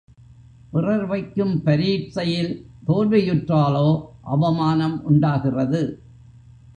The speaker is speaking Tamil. பிறர் வைக்கும் பரீட்சையில் தோல்வியுற்றாலோ அவமானம் உண்டாகிறது.